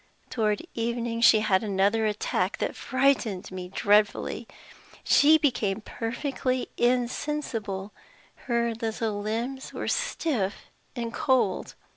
Toward evening, she had another attack that frightened me dreadfully. She became perfectly insensible her little limbs were stiff and cold.